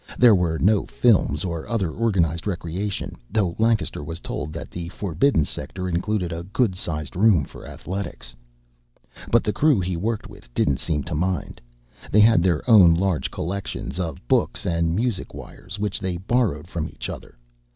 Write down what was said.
There were no films or other organized recreation, though Lancaster was told that the forbidden sector included a good sized room for athletics. But the crew he worked with didn't seem to mind. They had their own large collections of books and music wires, which they borrowed from each other.